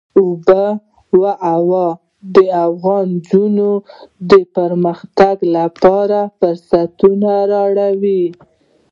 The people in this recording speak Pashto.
آب وهوا د افغان نجونو د پرمختګ لپاره فرصتونه راولي.